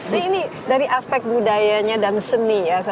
nah ini dari aspek budayanya dan seni ya